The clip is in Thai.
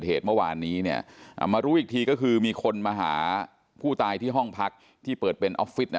เหตุเมื่อวานนี้มารู้อีกทีก็คือมีคนมาหาผู้ตายที่ห้องพักที่เปิดเป็นออฟฟิศ